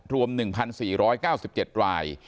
รวม๑๔๙๗ราย